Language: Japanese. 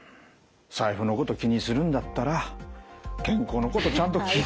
財布のこと気にするんだったら健康のことをちゃんと気ぃ